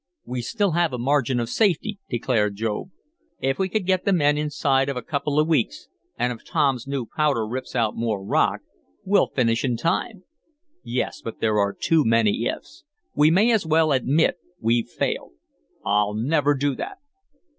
"We still have a margin of safety," declared job. "If we could get the men inside of a couple of weeks, and if Tom's new powder rips out more rock, we'll finish in time." "Yes, but there are too many ifs. We may as well admit we've failed." "I'll never do that!"